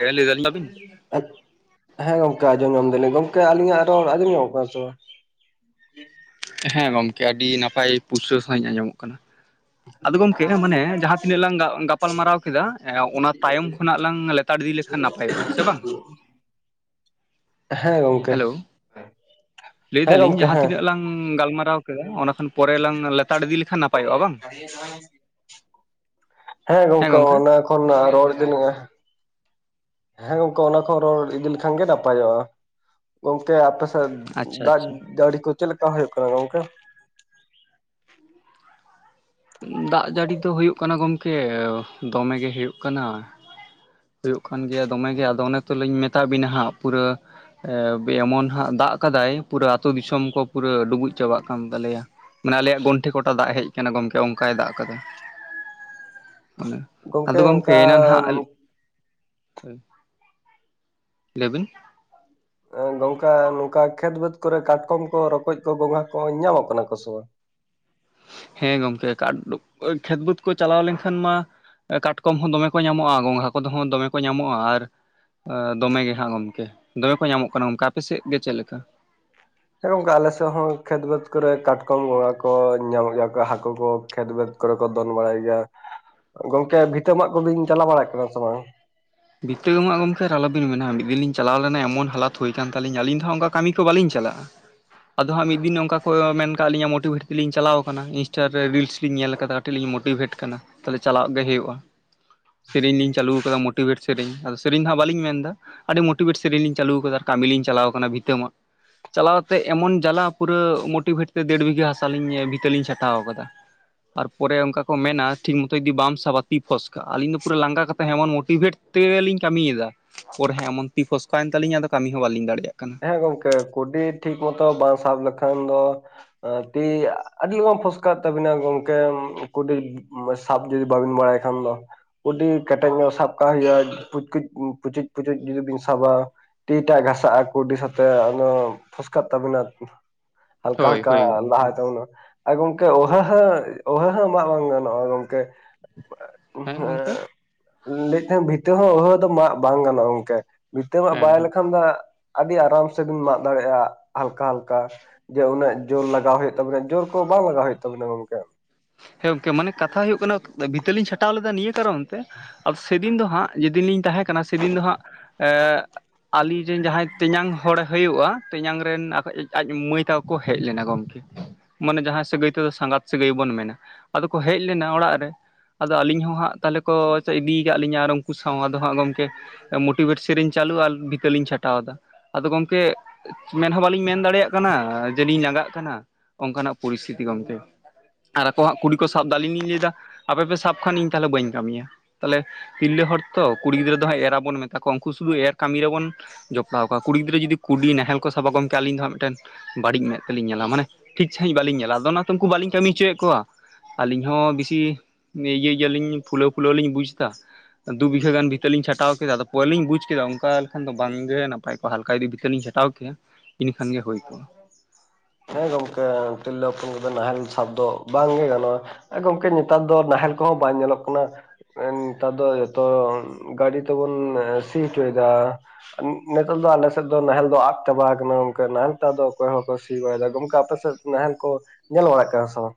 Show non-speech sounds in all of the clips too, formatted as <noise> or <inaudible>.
ᱦᱮᱸ ᱞᱟᱹᱭ ᱫᱟᱞᱤᱧ ᱟᱹᱵᱤᱱ <inaudible> ᱦᱮᱸ ᱜᱚᱝᱠᱮ, ᱟᱸᱡᱚᱢ ᱧᱟᱢ ᱫᱟᱹᱞᱤᱧ ᱾ ᱜᱚᱝᱠᱮ ᱟᱹᱞᱤᱧᱟᱜ ᱨᱚᱲ ᱟᱸᱡᱚᱢᱚᱜ ᱠᱟᱱᱟ ᱥᱮ ᱵᱟᱝ? ᱦᱮᱸ ᱜᱚᱝᱠᱮ, ᱟᱹᱰᱤ ᱱᱟᱯᱟᱭ ᱯᱩᱥᱴᱟᱹ ᱥᱟᱺᱦᱤᱡ ᱟᱸᱡᱚᱢᱚᱜ ᱠᱟᱱᱟ ᱾ ᱟᱫᱚ ᱜᱚᱝᱠᱮ, ᱢᱟᱱᱮ ᱡᱟᱦᱟᱸ ᱛᱤᱱᱟᱹᱜ ᱞᱟᱝ ᱜᱟ ᱜᱟᱯᱟᱞᱢᱟᱨᱟᱣ ᱠᱮᱫᱟ ᱦᱸᱮ ᱚᱱᱟ ᱛᱟᱭᱚᱢ ᱠᱷᱚᱱᱟᱜ ᱞᱟᱝ ᱦᱟᱛᱟᱲ ᱤᱫᱤ ᱞᱮᱠᱷᱟᱱ ᱱᱟᱯᱟᱭᱚᱜᱼᱟ ᱾ ᱥᱮ ᱵᱟᱝ? ᱦᱮᱸ ᱜᱚᱝᱠᱮ ᱦᱮᱞᱳ <inaudible> ᱞᱟᱹᱭ ᱦᱮᱸ ᱫᱟᱞᱤᱧ ᱜᱚᱝᱠᱮ ᱡᱟᱦᱟᱸ ᱦᱮᱸ ᱛᱤᱱᱟᱹᱜ ᱞᱟᱝ ᱞᱟᱹᱭᱫᱟᱞᱤᱧ ᱡᱟᱦᱟᱸ ᱛᱤᱱᱟᱹᱜ ᱞᱟᱝ ᱜᱟᱞᱢᱟᱨᱟᱣ ᱠᱮᱫᱟ ᱚᱱᱟᱠᱷᱚᱱ ᱯᱚᱨᱮ ᱞᱟᱝ ᱞᱮᱛᱟᱲ ᱤᱫᱤ ᱞᱮᱠᱷᱟᱱ ᱱᱟᱯᱟᱭᱚᱜᱼᱟ ᱵᱟᱝ ᱾ ᱦᱮᱸ <unintelligible> ᱦᱮᱸ ᱜᱚᱝᱠᱮ ᱚᱱᱟ ᱠᱷᱚᱱ ᱨᱚᱲ ᱫᱤᱱ ᱜᱮ ᱦᱮᱸ ᱜᱚᱝᱠᱮ ᱚᱱᱟ ᱠᱚ ᱨᱚᱲ ᱤᱫᱤ ᱞᱮᱠᱷᱟᱱ ᱜᱮ ᱱᱟᱯᱟᱭᱚᱜᱼᱟ ᱾ ᱜᱚᱝᱠᱮ ᱟᱯ ᱥᱮᱫ ᱟᱪᱪᱷᱟ ᱫᱟᱜ ᱟᱪᱪᱷᱟ ᱡᱟᱹᱲᱤ ᱠᱚ ᱪᱮᱫ ᱞᱮᱠᱟ ᱦᱩᱭᱩᱜ ᱠᱟᱱᱟ ᱜᱚᱝᱠᱮ᱾ ᱫᱟᱜ ᱡᱟᱹᱲᱤ ᱫᱚ ᱦᱩᱭᱩᱜ ᱠᱟᱱᱟ ᱜᱚᱢᱠᱮ, ᱫᱚᱢᱮ ᱜᱮ ᱦᱩᱭᱩᱜ ᱠᱟᱱᱟ ᱾ ᱦᱩᱭᱩᱜ ᱠᱟᱱ ᱜᱮᱭᱟ ᱫᱚᱢᱮ ᱜᱮ ᱟᱫᱚ ᱚᱱᱮ ᱛᱚᱞᱤᱧ ᱢᱮᱛᱟ ᱵᱤᱱᱟ ᱦᱟᱸᱜ ᱯᱩᱨᱟᱹ ᱮᱢᱚᱱ ᱦᱟᱸᱜ ᱫᱟᱜ ᱠᱟᱫᱟᱭ ᱯᱩᱨᱟᱹ ᱟᱹᱛᱩ ᱫᱤᱥᱚᱢ ᱠᱚ ᱯᱩᱨᱟᱹ ᱰᱩᱵᱩᱡ ᱪᱟᱵᱟᱜ ᱠᱟᱱ ᱛᱟᱞᱮᱭᱟ ᱾ ᱢᱟᱱᱮ ᱟᱞᱮᱭᱟᱜ ᱜᱚᱱᱴᱷᱮ ᱠᱚᱴᱟ ᱫᱟᱜ ᱦᱮᱡ ᱟᱠᱟᱱᱟ ᱜᱚᱢᱠᱮ ᱚᱱᱠᱟᱭ ᱫᱟᱜ ᱠᱟᱫᱟ ᱾ ᱚᱱᱮ ᱜᱚᱝᱠᱮ ᱟᱫᱚ ᱜᱚᱢᱠᱮ ᱚᱱᱠᱟ ᱮᱱᱟ ᱱᱷᱟᱜ ᱟᱹᱞ ᱞᱟᱹᱭᱵᱤᱱ ᱜᱚᱝᱠᱟ ᱱᱚᱝᱠᱟ ᱠᱷᱮᱛ ᱵᱟᱹᱛ ᱠᱚᱨᱮ ᱠᱟᱴᱠᱚᱢ ᱠᱚ ᱨᱚᱠᱚᱡ ᱠᱚ ᱜᱚᱸᱜᱷᱟ ᱠᱚ ᱧᱟᱢᱚᱜ ᱠᱟᱱᱟ ᱠᱚᱥᱮ ᱵᱟᱝ᱾ ᱦᱮᱸ ᱜᱚᱢᱠᱮ ᱠᱟᱴ ᱠᱷᱮᱛ ᱵᱟᱹᱫᱽ ᱠᱚ ᱪᱟᱞᱟᱣ ᱞᱮᱱᱠᱷᱟᱱ ᱢᱟ ᱠᱟᱴᱠᱚᱢ ᱦᱚᱸ ᱫᱚᱢᱮ ᱠᱚ ᱧᱟᱢᱚᱜᱼᱟ ᱜᱚᱝᱜᱷᱟ ᱠᱚᱫᱚ ᱦᱚᱸ ᱫᱚᱢᱮ ᱠᱚ ᱧᱟᱢᱚᱜᱼᱟ᱾ ᱟᱨ ᱫᱚᱢᱮ ᱜᱮ ᱦᱟᱸᱜ ᱜᱚᱢᱠᱮ ᱫᱚᱢᱮ ᱠᱚ ᱧᱟᱢᱚᱜ ᱠᱟᱱᱟ ᱜᱚᱢᱠᱮ᱾ ᱟᱯᱮ ᱥᱮᱫ ᱜᱮ ᱪᱮᱫᱮ ᱞᱮᱠᱟ? ᱦᱮᱸ ᱜᱚᱝᱠᱮ ᱟᱞᱮᱮᱥᱮᱫ ᱦᱚᱸ ᱠᱷᱮᱛ ᱵᱮᱫᱽ ᱠᱚᱨᱮ ᱠᱟᱴᱠᱚᱢ ᱜᱚᱸᱜᱟ ᱠᱚ ᱧᱟᱢᱚᱜ ᱜᱮᱭᱟ ᱠᱚ ᱦᱟᱹᱠᱩ ᱠᱚ ᱠᱷᱮᱛ ᱵᱟᱹᱫᱽ ᱠᱚᱨᱮ ᱠᱚ ᱫᱚᱱ ᱵᱟᱲᱟᱭ ᱜᱮᱭᱟ᱾ ᱜᱚᱝᱠᱮ ᱵᱷᱤᱛᱟᱹ ᱢᱟᱜ ᱠᱚᱵᱤᱱ ᱪᱟᱞᱟᱣ ᱵᱟᱲᱟᱭ ᱠᱟᱱᱟ ᱥᱮ ᱵᱟᱝ? ᱵᱤᱛᱟᱹ ᱢᱟᱜ ᱜᱚᱢᱠᱮ ᱟᱨ ᱟᱞᱚᱵᱤᱱ ᱢᱮᱱᱟ, ᱢᱤᱫ ᱫᱤᱱ ᱞᱤᱧ ᱪᱟᱞᱟᱣ ᱞᱮᱱᱟ ᱮᱢᱚᱱ ᱦᱟᱞᱚᱛ ᱦᱩᱭ ᱠᱟᱱ ᱛᱞᱤᱧ ᱟᱹᱞᱤᱧ ᱫᱚ ᱚᱱᱠᱟ ᱠᱟᱹᱢᱤ ᱠᱚ ᱵᱟᱞᱤᱧ ᱪᱟᱞᱟᱜᱼᱟ᱾ ᱟᱫᱚ ᱦᱟᱸᱜ ᱢᱤᱫ ᱫᱤᱱ ᱱᱚᱝᱠᱟ ᱠᱚ ᱢᱮᱱ ᱟᱠᱟᱫ ᱞᱤᱧᱟ ᱢᱳᱴᱤᱵᱷᱮᱴ ᱛᱮᱞᱤᱧ ᱪᱟᱞᱟᱣ ᱟᱠᱟᱱᱟ ᱤᱱᱥᱴᱟ ᱨᱮ ᱨᱤᱞᱥ ᱞᱤᱧ ᱧᱮᱞ ᱟᱠᱟᱫᱟ᱾ ᱞᱤᱧ ᱢᱳᱴᱤᱵᱷᱮᱴ ᱠᱟᱱᱟ ᱛᱟᱦᱚᱞᱮ ᱪᱟᱞᱟᱜ ᱜᱮ ᱦᱩᱭᱩᱜᱼᱟ ᱾ ᱥᱮᱨᱮᱧ ᱞᱤᱧ ᱪᱟᱹᱞᱩ ᱟᱠᱟᱫᱟ ᱢᱚᱴ ᱢᱳᱴᱤᱵᱷᱮᱴ ᱥᱮᱨᱮᱧ, ᱟᱫᱚ ᱥᱮᱨᱮᱧ ᱦᱟᱸᱜ ᱵᱟᱹᱞᱤᱧ ᱢᱮᱱᱫᱟ ᱾ ᱟᱹᱰᱤ ᱢᱚᱴᱤᱵᱷᱮᱴ ᱥᱮᱨᱮᱧ ᱞᱤᱧ ᱪᱟᱹᱞᱩ ᱟᱠᱟᱫᱟ ᱟᱨ ᱠᱟᱹᱢᱤ ᱞᱤᱧ ᱪᱟᱞᱟᱣ ᱠᱟᱱᱟ ᱵᱷᱤᱛᱟᱹ ᱢᱟᱜ ᱾ ᱪᱟᱞᱟᱣ ᱠᱟᱛᱮ ᱮᱢᱚᱱ ᱡᱟᱞᱟ ᱯᱩᱨᱟᱹ ᱢᱳᱴᱤᱵᱷᱮᱴ ᱛᱮ ᱰᱮᱲ ᱵᱤᱜᱷᱟᱹ ᱦᱟᱥᱟ ᱞᱤᱧ ᱵᱷᱤᱛᱟᱹ ᱞᱤᱧ ᱪᱷᱟᱴᱟᱣ ᱟᱠᱟᱫᱟ᱾ ᱟᱨ ᱯᱚᱨᱮ ᱚᱱᱠᱟ ᱠᱚ ᱢᱮᱱᱟ ᱴᱷᱤᱠ ᱢᱚᱛᱚᱭ ᱜᱤ ᱵᱟᱢ ᱥᱟᱵᱟ ᱛᱤ ᱯᱷᱚᱥᱠᱟᱜᱼᱟ᱾ ᱟᱹᱞᱤᱧ ᱫᱚ ᱯᱩᱨᱟᱹ ᱞᱟᱸᱜᱟ ᱠᱟᱛᱮ ᱦᱮᱢᱚᱱ ᱢᱚᱴ ᱢᱳᱴᱤᱵᱷᱮᱴ ᱛᱮᱜᱮᱞᱤᱧ ᱠᱟᱹᱢᱤᱭᱮᱫᱟ᱾ ᱯᱚᱨᱦᱮ ᱮᱢᱚᱱ ᱛᱤ ᱯᱷᱚᱥᱠᱟᱭᱮᱱ ᱛᱟᱞᱤᱧᱟ ᱟᱫᱚ ᱠᱟᱹᱢᱤ ᱦᱚᱸ ᱵᱟᱞᱤᱧ ᱫᱟᱲᱮᱭᱟᱜ ᱠᱟᱱᱟ᱾ ᱦᱮᱸ ᱜᱚᱝᱠᱮ ᱠᱩᱰᱤ ᱴᱷᱤᱠ ᱦᱚᱸᱛᱚ ᱵᱟᱝ ᱥᱟᱵ ᱞᱮᱠᱷᱟᱱ ᱫᱚ᱾ ᱛᱤ ᱟᱹᱰᱤ ᱞᱚᱜᱚᱱ ᱯᱷᱚᱥᱠᱟᱜ ᱛᱟᱵᱤᱱᱟ ᱜᱚᱝᱠᱮ᱾ ᱠᱩᱰᱤ ᱢ ᱥᱟᱯ ᱡᱩᱫᱤ ᱵᱟᱹᱵᱤᱱ ᱵᱟᱲᱟᱭ ᱠᱷᱟᱱ ᱫᱚ ᱾ ᱠᱩᱰᱤ ᱠᱮᱴᱮᱡ ᱧᱚᱜ ᱥᱟᱵ ᱠᱟᱜ ᱦᱩᱭᱩᱜᱼᱟ᱾ ᱯᱩᱪᱠᱩᱡ ᱯᱩᱪᱩᱡ ᱯᱩᱪᱩᱡ ᱡᱩᱫᱤ ᱵᱤᱱ ᱥᱟᱵᱟ ᱟᱹᱰᱤ ᱮᱴᱟᱜ ᱜᱷᱟᱥᱟᱜᱼᱟ ᱠᱩᱰᱤ ᱥᱟᱵᱛᱮ, ᱟᱫᱚ ᱯᱷᱚᱥᱠᱟᱜ ᱛᱟᱵᱤᱱᱟ ᱦᱟᱞᱠᱟ ᱦᱳᱭ ᱦᱟᱞᱠᱟ ᱦᱳᱭ ᱜᱚᱝᱠᱮ ᱞᱟᱦᱟᱭ ᱛᱟᱵᱚᱱᱢᱟ ᱾ ᱟᱨ ᱜᱚᱝᱠᱮ ᱚᱦᱟᱹ ᱦᱟᱹ ᱚᱦᱟᱹ ᱦᱟᱹ ᱢᱟ ᱵᱟᱝ ᱜᱟᱱᱚᱜᱼᱟ ᱜᱚᱝᱠᱮ᱾ ᱦᱮᱸ ᱜᱚᱝᱠᱮ ᱦᱮᱸ ᱞᱟᱹᱭ ᱫᱟᱹᱧ ᱵᱷᱤᱛᱟᱹ ᱦᱚᱸ ᱟᱹᱣᱦᱟᱹ ᱫᱚ ᱢᱟᱜ ᱵᱟᱝ ᱜᱟᱱᱚᱜᱼᱟ ᱜᱚᱝᱠᱮ ᱵᱷᱤᱛᱟᱹ ᱢᱟᱜ ᱦᱮᱸ ᱵᱟᱲᱟᱭ ᱦᱮᱸ ᱞᱮᱠᱷᱟᱱ ᱫᱚ ᱟᱹᱰᱤ ᱟᱨᱟᱢ ᱥᱮᱵᱤᱱ ᱢᱟᱜ ᱫᱟᱲᱮᱭᱟᱜᱼᱟ ᱦᱟᱞᱠᱟ ᱦᱟᱞᱠᱟ ᱡᱮ ᱩᱱᱟᱹᱜ ᱡᱳᱨ ᱞᱟᱜᱟᱣ ᱦᱩᱭᱩᱜ ᱛᱟᱵᱮᱱᱟ ᱡᱳᱨ ᱠᱚ ᱵᱟᱝ ᱞᱟᱜᱟᱣ ᱦᱩᱭᱩᱜ ᱛᱟᱵᱤᱱᱟ ᱜᱚᱢᱠᱮ ᱦᱮᱸ ᱜᱚᱝᱠᱮ ᱢᱟᱱᱮ ᱠᱟᱛᱷᱟ ᱦᱩᱭᱩᱜ ᱠᱟᱱᱟ ᱵᱷᱤᱛᱟᱹ ᱞᱤᱧ ᱪᱷᱟᱴᱟᱣ ᱞᱮᱫᱟ ᱱᱤᱭᱟᱹ ᱠᱟᱨᱚᱱ ᱛᱮ ᱟ ᱥᱮᱫᱤᱱ ᱫᱚ ᱦᱟᱸᱜ ᱡᱮᱫᱤᱱ ᱞᱤᱧ ᱛᱟᱦᱮᱸ ᱠᱟᱱᱟ ᱥᱮᱫᱤᱱ ᱫᱚ ᱦᱟᱸᱜ ᱮ ᱟᱞᱤᱧᱨᱮᱱ ᱡᱟᱦᱟᱸᱭ ᱛᱮᱧᱟᱝ ᱦᱚᱲᱮ ᱦᱩᱭᱩᱜᱼᱟ ᱛᱮᱧᱟᱝ ᱨᱮᱱ ᱟᱡ ᱢᱟᱹᱭ ᱛᱟᱠᱚ ᱠᱚ ᱦᱮᱡ ᱞᱮᱱᱟ ᱜᱚᱝᱠᱮ ᱢᱟᱱᱮ ᱡᱟᱦᱟᱸᱭ ᱥᱟᱹᱜᱟᱹᱭ ᱛᱮᱫᱚ ᱥᱟᱸᱜᱟᱛ ᱥᱮᱜᱟᱹᱭ ᱵᱚᱱ ᱢᱮᱱᱟ ᱟᱫᱚ ᱠᱚ ᱦᱮᱡ ᱞᱮᱱᱟ ᱚᱲᱟᱜ ᱨᱮ ᱟᱫᱚ ᱟᱹᱞᱤᱧ ᱦᱚᱸ ᱦᱟᱸᱜ ᱛᱟᱦᱚᱞᱮ ᱠᱚ ᱤᱫᱤ ᱠᱟᱫ ᱞᱤᱧᱟ ᱟᱨ ᱩᱱᱠᱩ ᱥᱟᱶ ᱟᱫᱚ ᱦᱟᱸᱜ ᱜᱚᱝᱠᱮ ᱢᱳᱴᱤᱵᱷᱮᱴ ᱥᱮᱨᱮᱧ ᱪᱟᱹᱞᱩ ᱟᱨ ᱵᱷᱤᱛᱟᱹᱞᱤᱧ ᱪᱷᱟᱴᱟᱣᱫᱟ ᱟᱫᱚ ᱜᱚᱢᱠᱮ ᱢᱮᱱᱦᱚᱸ ᱵᱟᱞᱤᱧ ᱢᱮᱱ ᱫᱟᱲᱮᱭᱟᱜ ᱠᱟᱱᱟ ᱡᱮᱞᱤᱧ ᱞᱟᱸᱜᱟᱜ ᱠᱟᱱᱟ ᱚᱱᱠᱟᱱᱟᱜ ᱯᱚᱨᱤᱥᱛᱷᱤᱛᱤ ᱜᱚᱝᱠᱮ ᱟᱨ ᱟᱠᱚ ᱦᱟᱸᱜ ᱠᱩᱰᱤ ᱠᱚ ᱥᱟᱵ ᱫᱟ ᱟᱞᱤᱧ ᱞᱤᱧ ᱞᱟᱹᱭᱮᱫᱟ ᱟᱯᱮᱯᱮ ᱥᱟᱵ ᱠᱷᱟᱱ ᱤᱧ ᱛᱟᱦᱚᱞᱮ ᱵᱟᱹᱧ ᱠᱟᱹᱢᱤᱭᱟ ᱛᱟᱦᱞᱮ ᱛᱤᱨᱞᱟᱹ ᱦᱚᱲ ᱛᱚ ᱠᱩᱲᱤ ᱜᱤᱫᱽᱨᱟᱹ ᱫᱚ ᱦᱟᱸᱜ ᱮᱨᱟᱵᱚᱱ ᱢᱮᱛᱟ ᱠᱚᱣᱟ ᱩᱱᱠᱩ ᱥᱩᱫᱷᱩ ᱮᱨ ᱠᱟᱹᱢᱤ ᱨᱮᱵᱚᱱ ᱡᱚᱯᱲᱟᱣ ᱠᱚᱣᱟ ᱠᱩᱲᱤ ᱜᱤᱫᱽᱨᱟᱹ ᱡᱩᱫᱤ ᱠᱩᱰᱤ ᱱᱟᱦᱮᱞ ᱠᱚ ᱥᱟᱵᱟ ᱜᱚᱢᱠᱮ ᱟᱹᱞᱤᱧ ᱫᱚᱟᱸᱜ ᱢᱤᱫᱴᱮᱱ ᱵᱟᱹᱲᱤᱡ ᱢᱮᱫ ᱛᱮᱞᱤᱧ ᱧᱮᱞᱟ ᱢᱟᱱᱮ ᱴᱷᱤᱠ ᱥᱟᱺᱦᱤᱡ ᱵᱟᱹᱞᱤᱧ ᱧᱮᱞᱟ ᱟᱫᱚ ᱚᱱᱟᱛᱮ ᱩᱱᱠᱩ ᱵᱟᱹᱞᱤᱧ ᱠᱟᱹᱢᱤ ᱦᱚᱪᱚᱭᱮᱫ ᱠᱚᱣᱟ ᱟᱹᱞᱤᱧ ᱦᱚᱸ ᱵᱮᱥᱤ ᱤᱭᱟᱹ ᱜᱮᱭᱟᱞᱤᱧ ᱯᱷᱩᱞᱟᱹᱣ ᱯᱷᱩᱞᱟᱹᱣ ᱞᱤᱧ ᱵᱩᱡᱽ ᱮᱫᱟ ᱫᱩ ᱵᱤᱜᱷᱟᱹ ᱜᱟᱱ ᱵᱷᱤᱛᱟᱹ ᱞᱤᱧ ᱪᱷᱟᱴᱟᱣ ᱠᱮᱫᱟ ᱟᱫᱚ ᱯᱚᱨᱮ ᱞᱤᱧ ᱵᱩᱡ ᱠᱮᱫᱟ ᱚᱱᱠᱟ ᱞᱮᱠᱷᱟᱱ ᱫᱚ ᱵᱟᱝᱜᱮ ᱱᱟᱯᱟᱭ ᱠᱚ ᱦᱟᱞᱠᱟ ᱡᱩᱫᱤ ᱵᱷᱤᱛᱟᱹ ᱞᱤᱧ ᱪᱷᱟᱴᱟᱣ ᱠᱮᱭᱟ ᱤᱱᱟᱹᱠᱷᱟᱱ ᱜᱮ ᱦᱩᱭ ᱠᱚᱜᱼᱟ ᱦᱮᱸ ᱜᱚᱝᱠᱮ ᱛᱤᱨᱞᱟᱹ ᱦᱚᱯᱚᱱ ᱠᱚᱫᱚ ᱱᱟᱦᱮᱞ ᱥᱟᱵ ᱫᱚ ᱵᱟᱝᱜᱮ ᱜᱟᱱᱚᱜᱼᱟ ᱜᱚᱢᱠᱮ ᱱᱮᱛᱟᱨ ᱫᱚ ᱱᱟᱦᱮᱞ ᱠᱚᱦᱚᱸ ᱵᱟᱝ ᱧᱮᱞᱚᱜ ᱠᱟᱱᱟ ᱱᱮᱛᱟᱨ ᱫᱚ ᱡᱚᱛᱚ ᱜᱟᱹᱰᱤ ᱛᱮᱵᱚᱱ ᱥᱤ ᱦᱚᱪᱚᱭᱮᱫᱟ ᱱᱮᱛᱚᱜ ᱫᱚ ᱟᱞᱮ ᱥᱮᱫ ᱫᱚ ᱱᱟᱦᱮᱞ ᱫᱚ ᱟᱫ ᱪᱟᱵᱟ ᱠᱟᱱᱟ ᱱᱟᱦᱮᱞ ᱛᱮ ᱟᱫᱚ ᱚᱠᱚᱭ ᱦᱚᱸ ᱵᱟᱠᱚ ᱥᱤ ᱵᱟᱲᱟᱭᱮᱫᱟ ᱜᱚᱢᱠᱮ ᱟᱯᱮ ᱥᱮᱫ ᱱᱟᱦᱮᱞ ᱠᱚ ᱧᱮᱞ ᱵᱟᱲᱟᱜ ᱠᱟᱱᱟ ᱥᱮ ᱵᱟᱝ